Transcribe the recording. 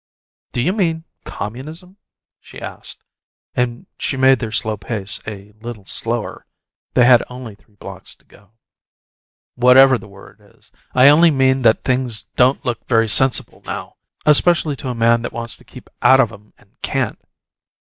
"Do you mean 'communism'?" she asked, and she made their slow pace a little slower they had only three blocks to go. "Whatever the word is, I only mean that things don't look very sensible now especially to a man that wants to keep out of 'em and can't!